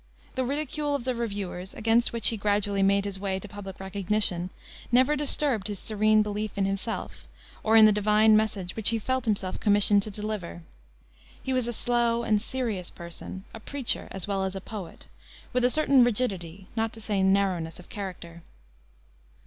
The ridicule of the reviewers, against which he gradually made his way to public recognition, never disturbed his serene belief in himself, or in the divine message which he felt himself commissioned to deliver. He was a slow and serious person, a preacher as well as a poet, with a certain rigidity, not to say narrowness, of character.